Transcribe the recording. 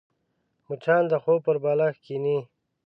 مچان د خوب پر بالښت کښېني